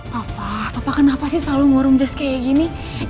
papa papa kenapa sih selalu ngurung jess kayak gini